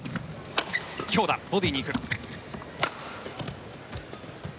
強打、ボディーに行く。